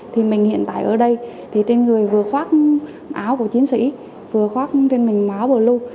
thì mình hiện tại ở đây thì trên người vừa khoác áo của chiến sĩ vừa khoác trên mình áo blue